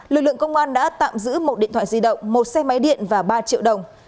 lực lượng công an đã tạm giữ một điện thoại di động một xe máy điện và ba triệu đồng